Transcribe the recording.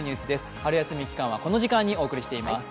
春休み期間はこの時間にお送りしています。